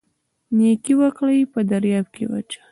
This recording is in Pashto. نیکي وکړئ په دریاب یې واچوئ